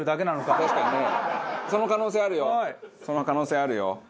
その可能性あるよその可能性あるよ。